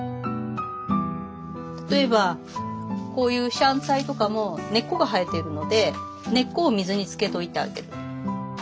例えばこういうシャンツァイとかも根っこが生えてるので根っこを水につけといてあげる。